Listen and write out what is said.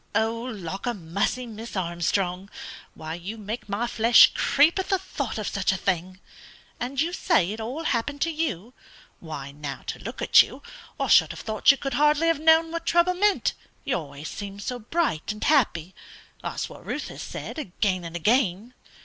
"Lawk a mussy, Miss Armstrong, why you make my flesh creep at the thought of such a thing? And you say it all happened to you? Why, now, to look at you, I should have thought you could hardly have known what trouble meant, you always seem so bright and happy; that's what Ruth has said, again and again."